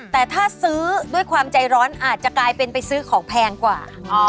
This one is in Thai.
แต่ถ้าซื้อด้วยความใจร้อนอาจจะกลายเป็นไปซื้อของแพงกว่า